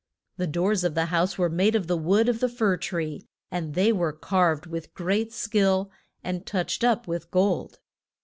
The doors of the house were made of the wood of the fir tree, and they were carved with great skill, and touched up with gold.